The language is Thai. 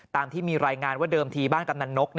ตามที่มีรายงานว่าเดิมทีบ้านกำนันนก